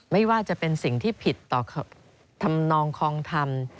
ไม่ว่าจะเป็นสิ่งที่ผิดต่อธรรมนองคลองธรรม